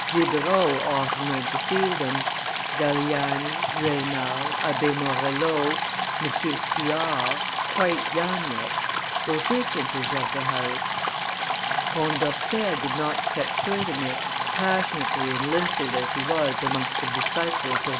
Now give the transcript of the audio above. Diderot often went to see them; Galiani, Raynal, Abbe Morellet, M. Suard, quite young yet, were frequenters of the house; Condorcet did not set foot in it, passionately enlisted as he was amongst the disciples of M.